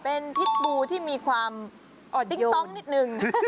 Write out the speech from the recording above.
เป็นพิษบูที่มีความติ๊งต้องนิดนึง